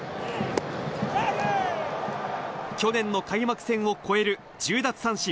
去年の開幕戦を超える１０奪三振。